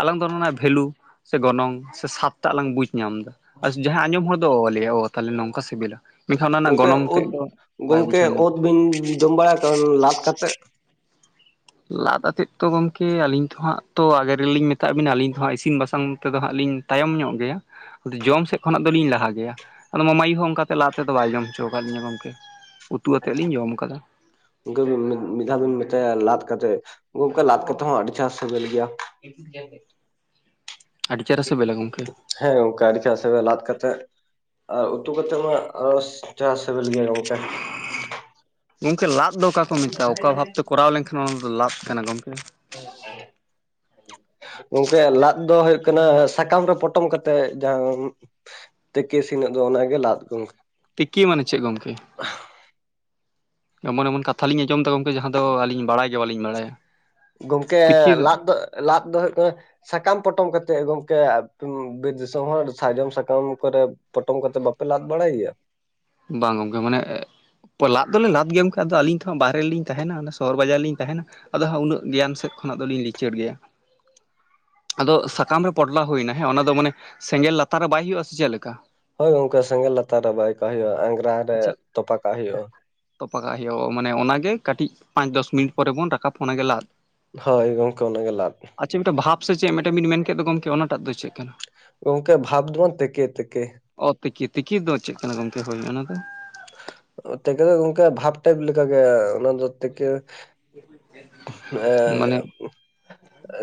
ᱟᱞᱟᱝ ᱫᱚ ᱚᱱᱟ ᱨᱮᱱᱟᱜ ᱵᱷᱮᱞᱩ ᱥᱮ ᱜᱚᱱᱚᱝ ᱥᱮ ᱥᱟᱵ ᱰᱟᱜ ᱞᱟᱝ ᱵᱩᱡ ᱧᱟᱢ ᱮᱫᱟ ᱟᱨ ᱡᱟᱦᱟᱸᱭ ᱟᱸᱡᱚᱢ ᱫᱚ ᱞᱮᱭᱚ ᱛᱟᱦᱚᱞᱮ ᱱᱚᱝᱠᱟ ᱥᱤᱵᱤᱞᱟ᱾ ᱢᱮᱱᱠᱷᱟᱱ ᱚᱱᱟ ᱨᱮᱱᱟᱜ ᱜᱚᱢᱠᱮ ᱜᱚᱱᱚᱝ ᱛᱮᱫ ᱳᱫᱽ ᱫᱚ ᱵᱟᱭ ᱜᱚᱢᱠᱮ ᱵᱩᱡᱷᱟᱹᱣ ᱧᱟᱢᱟ ᱳᱫᱽ ᱵᱤᱱ ᱡᱚᱢ ᱵᱟᱲᱟ ᱠᱟᱫᱟ ᱞᱟᱺᱫᱽ ᱠᱟᱛᱮ? ᱞᱟᱺᱫᱽ ᱟᱛᱮᱫ ᱛᱚ ᱜᱚᱢᱠᱮ ᱟᱹᱞᱤᱧ ᱛᱚ ᱦᱟᱸᱜ ᱛᱚ ᱟᱜᱮ ᱨᱮᱞᱤᱧ ᱢᱮᱛᱟᱜ ᱵᱤᱱᱟ ᱟᱹᱞᱤᱧ ᱫᱚ ᱦᱟᱸᱜ ᱤᱥᱤᱱ ᱵᱟᱥᱟᱝ ᱛᱮᱫᱚ ᱦᱟᱸᱜ ᱞᱤᱧ ᱛᱟᱭᱚᱢ ᱧᱚᱜ ᱜᱮᱭᱟ᱾ ᱡᱚᱢ ᱥᱮᱫ ᱠᱷᱚᱱᱟᱜ ᱫᱚᱞᱤᱧ ᱞᱟᱦᱟ ᱜᱮᱭᱟ, ᱟᱫᱚ ᱢᱟᱢᱟᱭᱩ ᱦᱚᱸ ᱚᱱᱠᱟᱛᱮ ᱞᱟᱦᱟ ᱛᱮᱫᱚ ᱵᱟᱭ ᱡᱚᱢ ᱦᱚᱪᱚ ᱟᱠᱟᱫ ᱞᱤᱧᱟ ᱜᱚᱢᱠᱮ᱾ ᱩᱛᱩ ᱠᱟᱛᱮᱫ ᱞᱤᱧ ᱡᱚᱢ ᱟᱠᱟᱫᱟ᱾ ᱠᱩ ᱢᱤᱫ ᱫᱷᱟᱣ ᱵᱤᱱ ᱢᱮᱛᱟᱭᱟ ᱞᱟᱺᱫᱽ ᱠᱟᱛᱮ ᱜᱚᱢᱠᱮ ᱞᱟᱺᱫᱽ ᱠᱟᱛᱮ ᱦᱚᱸ ᱟᱹᱰᱤ ᱪᱟᱲ ᱥᱤᱵᱮᱞ ᱜᱮᱭᱟ᱾ ᱟᱹᱰᱤ ᱪᱮᱦᱨᱟ ᱥᱤᱵᱤᱞᱟ ᱜᱚᱢᱠᱮ <unintelligible> ᱦᱮᱸ ᱜᱚᱢᱠᱮ ᱟᱰᱤ ᱪᱟᱲ ᱥᱮᱵᱮᱞᱟ ᱞᱟᱺᱫᱽ ᱠᱟᱛᱮ᱾ ᱟᱨ ᱩᱛᱩ ᱠᱟᱛᱮᱜ ᱢᱟ ᱟᱨᱚ ᱪᱟᱲ ᱥᱤᱵᱤᱞ ᱜᱮᱭᱟ ᱜᱚᱢᱠᱮ᱾ ᱜᱚᱢᱠᱮ ᱞᱟᱫᱽ ᱫᱚ ᱚᱠᱟ ᱠᱚ ᱢᱮᱛᱟᱜᱼᱟ? ᱚᱠᱟ ᱵᱷᱟᱵᱽᱛᱮ ᱠᱚᱨᱟᱣ ᱞᱮᱱᱠᱷᱟᱱ ᱚᱱᱟ ᱫᱚ ᱞᱟᱺᱫᱽ ᱠᱟᱱᱟ ᱜᱚᱢᱠᱮ? ᱜᱚᱝᱠᱮ ᱞᱟᱫᱽ ᱫᱚ ᱦᱩᱭᱩᱜ ᱠᱟᱱᱟ ᱥᱟᱠᱟᱢ ᱨᱮ ᱯᱚᱴᱚᱢ ᱠᱟᱛᱮᱜ ᱡᱟᱦᱟ ᱛᱮᱠᱮ ᱤᱥᱤᱱᱟᱜ ᱫᱚ ᱚᱱᱟᱜᱮ ᱞᱟᱫᱽ ᱜᱚᱢᱠᱮ, ᱛᱤᱠᱤ ᱢᱟᱱᱮ ᱪᱮᱫ ᱜᱚᱢᱠᱮ? <unintelligible> ᱮᱢᱚᱱ ᱮᱢᱚᱱ ᱠᱟᱛᱷᱟᱞᱤᱧ ᱟᱸᱡᱚᱢᱮᱫᱟ ᱜᱚᱢᱠᱮ ᱡᱟᱦᱟᱸ ᱫᱚ ᱟᱹᱞᱤᱧ ᱵᱟᱲᱟᱭ ᱜᱮ ᱵᱟᱹᱞᱤᱧ ᱵᱟᱲᱟᱭᱟ᱾ ᱜᱚᱢᱠᱮ ᱞᱟᱫᱽ ᱫᱚ ᱞᱟᱫᱽ ᱫᱚ ᱦᱩᱭᱩᱜ ᱠᱟᱱᱟ ᱥᱟᱠᱟᱢ ᱯᱚᱴᱚᱢ ᱠᱟᱛᱮᱜ ᱜᱚᱝᱠᱮ ᱵᱤᱨ ᱫᱤᱥᱚᱢ ᱦᱚᱲ ᱥᱟᱨᱡᱚᱢ ᱥᱟᱠᱟᱢ ᱠᱚᱨᱮ ᱯᱚᱴᱚᱢ ᱠᱟᱛᱮᱫ ᱵᱟᱯᱮ ᱞᱟᱫᱽ ᱵᱟᱲᱟᱭᱜᱮᱭᱟ? ᱵᱟᱝ ᱜᱚᱢᱠᱮ ᱢᱟᱱᱮ ᱞᱟᱫᱽ ᱫᱚᱞᱮ ᱞᱟᱫ ᱜᱮᱭᱟ ᱜᱚᱢᱠᱮ ᱟᱹᱞᱤᱧᱦᱚᱸ ᱵᱟᱦᱮᱨᱮᱞᱤᱧ ᱛᱟᱦᱮᱱᱟ ᱚᱱᱟ ᱥᱚᱦᱚᱨ ᱵᱟᱡᱟᱨ ᱞᱤᱧ ᱛᱟᱦᱮᱱᱟ᱾ ᱟᱫᱚ ᱦᱟᱸᱜ ᱩᱱᱟᱹᱜ ᱜᱮᱭᱟᱱ ᱥᱮᱫ ᱠᱷᱚᱱᱟᱜ ᱫᱚᱞᱤᱧ ᱞᱤᱪᱟᱹᱲ ᱜᱮᱭᱟ᱾ ᱟᱫᱚ ᱥᱟᱠᱟᱢ ᱨᱮ ᱯᱚᱴᱞᱟ ᱦᱩᱭᱱᱟ ᱦᱮᱸ ᱚᱱᱟ ᱫᱚ ᱢᱟᱱᱮ ᱥᱮᱸᱜᱮᱞ ᱞᱟᱛᱟᱨ ᱨᱮ ᱵᱟᱭ ᱦᱩᱭᱩᱜᱼᱟ ᱥᱮ ᱪᱮᱫᱞᱮᱠᱟ? ᱦᱳᱭ ᱜᱚᱢᱠᱮ ᱥᱮᱸᱜᱮᱞ ᱞᱟᱛᱟᱨ ᱨᱮ ᱵᱟᱭ ᱠᱟᱜ ᱦᱩᱭᱩᱜᱳᱼᱟ ᱟᱸᱜᱨᱟ ᱨᱮ ᱛᱚᱯᱟ ᱠᱟᱜ ᱦᱩᱭᱩᱜᱼᱟ᱾ ᱛᱚᱯᱟᱜᱟᱜ ᱦᱩᱭᱩᱜᱼᱟ ᱢᱟᱱᱮ ᱚᱱᱟᱜᱮ ᱠᱟᱹᱴᱤᱡ ᱯᱟᱸᱪ ᱫᱚᱥ ᱢᱤᱱᱤᱴ ᱯᱚᱨᱮ ᱵᱚᱱ ᱨᱟᱠᱟᱵ ᱚᱱᱟᱜᱮ ᱞᱟᱫᱽ? ᱦᱳᱭ ᱜᱚᱢᱠᱮ ᱚᱱᱟᱜᱮ ᱞᱟᱫᱽ᱾ ᱟᱪᱪᱷᱟ ᱢᱤᱫᱴᱮᱱ ᱵᱷᱟᱵᱽ ᱥᱮ ᱪᱮᱫ ᱢᱤᱫᱴᱮᱱ ᱵᱤᱱ ᱢᱮᱱ ᱠᱮᱫ ᱫᱚ ᱜᱚᱢᱠᱮ ᱚᱱᱟᱴᱟᱜ ᱫᱚ ᱪᱮᱫ ᱠᱟᱱᱟ? ᱜᱚᱢᱠᱮ ᱵᱷᱟᱵᱽ ᱫᱚ ᱛᱮᱠᱮ ᱛᱮᱠᱮ᱾ ᱚ ᱛᱤᱠᱤ ᱛᱤᱠᱤ ᱫᱚ ᱪᱮᱫ ᱠᱟᱱᱟ ᱜᱚᱢᱠᱮ ᱦᱚᱭ ᱚᱱᱟ ᱫᱚ? ᱛᱮᱠᱮ ᱫᱚ ᱜᱚᱢᱠᱮ ᱵᱷᱟᱯ ᱴᱟᱭᱤᱯᱞᱮᱠᱟ ᱜᱮ ᱚᱱᱟ ᱫᱚ ᱛᱮᱠᱮ ᱢᱟᱱᱮ ᱮ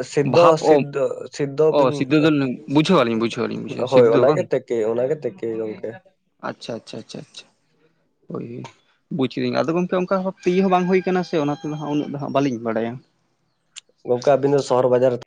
ᱥᱤᱫᱫᱚ ᱵᱷᱟᱵᱽ ᱚ ᱚᱥᱤᱫᱫᱚ ᱚ ᱥᱤᱫ ᱫᱚᱞ ᱵᱩᱡᱟᱹᱣ ᱟᱞᱤᱧ ᱵᱩᱡᱷᱟᱹᱣ᱾ ᱟᱹᱞᱤᱧ ᱵᱩᱡᱷᱟᱹᱣ ᱦᱳᱭ ᱥᱤᱫᱷᱟᱹ ᱫᱚ ᱵᱟᱝ ᱚᱱᱟᱜᱮ ᱛᱮᱠᱮ ᱚᱱᱟᱜᱮ ᱛᱮᱠᱮ ᱜᱚᱢᱠᱮ ᱟᱪᱪᱷᱟ ᱟᱪᱪᱷᱟ ᱟᱪᱪᱷᱟ ᱟᱪᱪᱷᱟ ᱚᱭ ᱵᱩᱡᱽ ᱠᱮᱫᱤᱧ ᱟᱫᱚ ᱜᱚᱢᱠᱮ ᱚᱱᱠᱟ ᱵᱷᱟᱵ ᱛᱮ ᱤᱭᱟᱹ ᱦᱚᱸ ᱵᱟᱝ ᱦᱩᱭ ᱟᱠᱟᱱᱟ ᱥᱮ ᱚᱱᱟᱛᱮ ᱱᱟᱜ ᱩᱱᱟᱹᱜ ᱫᱚ ᱦᱟᱜ ᱵᱟᱹᱞᱤᱧ ᱵᱟᱲᱟᱭᱟ ᱜᱚᱢᱠᱮ ᱟᱵᱤᱱ ᱫᱚ ᱥᱚᱦᱚᱨ ᱵᱟᱡᱟᱨ